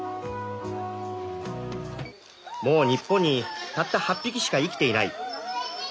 「もう日本にたった８匹しか生きていない。